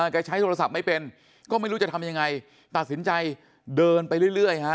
ใช้โทรศัพท์ไม่เป็นก็ไม่รู้จะทำยังไงตัดสินใจเดินไปเรื่อยฮะ